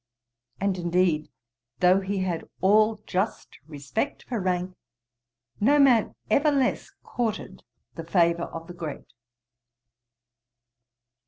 And, indeed, though he had all just respect for rank, no man ever less courted the favour of the great.